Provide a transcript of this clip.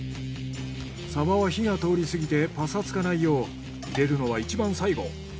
鯖は火が通りすぎてパサつかないよう入れるのはいちばん最後。